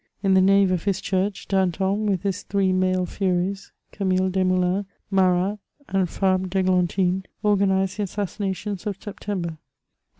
In the nave of his church, Danton with his three male furies, Camille Des* moulins, Marat, and Fabre d'Eglantine, organised the assassi nations of September.